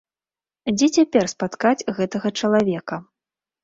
Дзе цяпер спаткаць гэтага чалавека?